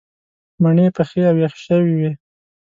مڼې پخې او یخې شوې وې.